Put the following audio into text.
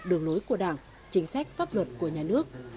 đường lối của đảng chính sách pháp luật của nhà nước